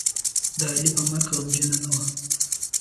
د علي په مرګ غمجنـه نه وه.